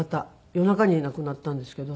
夜中に亡くなったんですけど。